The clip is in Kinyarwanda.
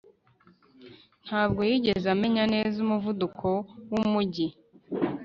ntabwo yigeze amenyera neza umuvuduko wumujyi